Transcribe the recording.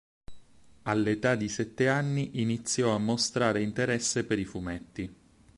All'età di sette anni iniziò a mostrare interesse per i fumetti.